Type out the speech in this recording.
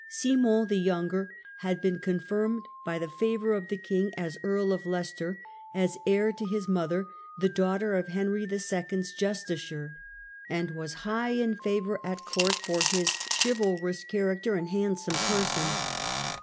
Simon the younger had been confirmed by the favour of the king as Earl of Leicester, as heir to his mother, the daughter of Henry II.'s justiciar, and was high in favour at court for his chivalrous character and handsome person.